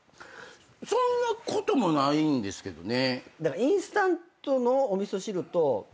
そんなこともないんですけどね。